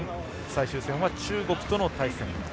最終戦は中国との対戦。